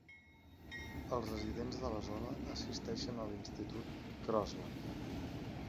Els residents de la zona assisteixen a l'institut Crossland.